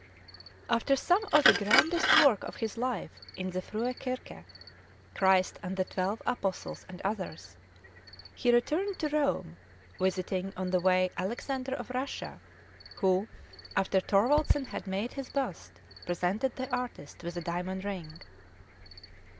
After some of the grandest work of his life in the Frue Kirke, Christ and the Twelve Apostles, and others, he returned to Rome, visiting, on the way, Alexander of Russia, who, after Thorwaldsen had made his bust, presented the artist with a diamond ring.